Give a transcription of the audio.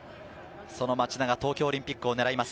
その町田が東京オリンピックを狙います。